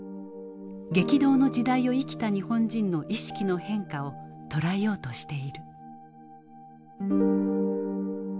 激動の時代を生きた日本人の意識の変化を捉えようとしている。